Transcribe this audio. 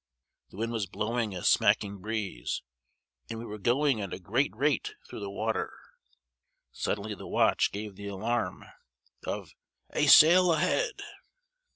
The wind was blowing a smacking breeze, and we were going at a great rate through the water. Suddenly the watch gave the alarm of 'a sail ahead!